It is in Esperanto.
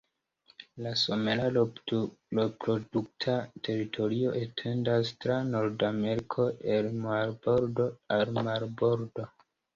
La somera reprodukta teritorio etendas tra Nordameriko el marbordo al marbordo.